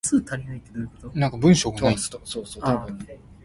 節